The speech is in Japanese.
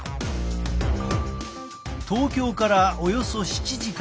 東京からおよそ７時間。